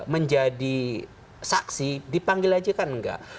menjadi saksi dipanggil aja kan enggak